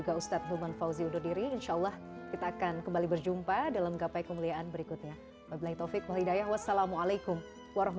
assalamualaikum warahmatullahi wabarakatuh